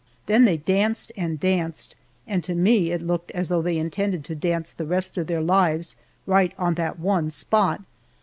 Then they danced and danced, and to me it looked as though they intended to dance the rest of their lives right on that one spot.